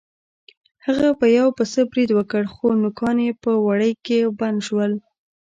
هغه په یو پسه برید وکړ خو نوکان یې په وړۍ کې بند شول.